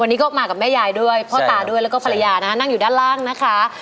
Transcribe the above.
วันนี้ก็มากับแม่ยายด้วยพ่อตาด้วยแล้วก็ภรรยานะคะนั่งอยู่ด้านล่างนะคะ